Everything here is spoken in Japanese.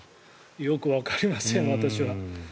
よくわかりません、私は。